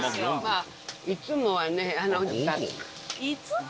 いつもはね、２つ。